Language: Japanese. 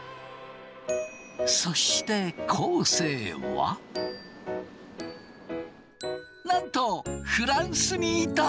そして昴生はなんとフランスにいた！